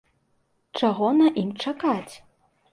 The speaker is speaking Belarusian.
Чаго на ім чакаць?